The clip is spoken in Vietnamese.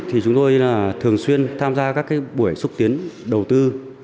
thì chúng tôi thường xuyên tham gia các buổi xúc tiến đầu tư